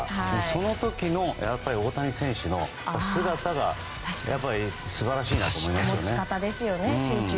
その時の大谷選手の姿が素晴らしいなと思いましたね。